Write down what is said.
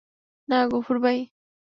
না গফুর ভাই।